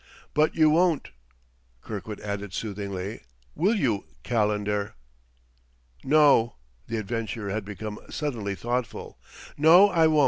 But you won't," Kirkwood added soothingly, "will you, Calendar?" "No." The adventurer had become suddenly thoughtful. "No, I won't.